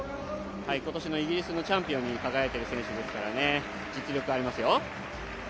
今年のイギリスのチャンピオンに輝いてる選手ですから実力はありますよ。